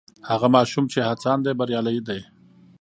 هغه ماشوم چې هڅاند دی بریالی دی.